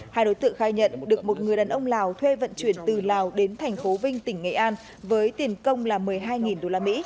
hai đối tượng khai nhận được một người đàn ông lào thuê vận chuyển từ lào đến thành phố vinh tỉnh nghệ an với tiền công là một mươi hai usd